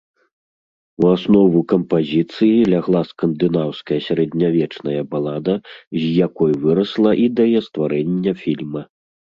У аснову кампазіцыі лягла скандынаўская сярэднявечная балада, з якой вырасла ідэя стварэння фільма.